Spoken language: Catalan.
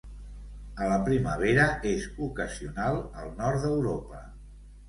A la primavera, és ocasional al nord d'Europa.